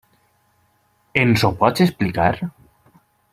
Ens ho pot explicar?